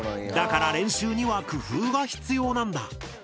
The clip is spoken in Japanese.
だから練習には工夫が必要なんだ。